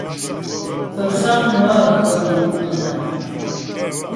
Pə Famŋwə gəm mu' nɔ̀m.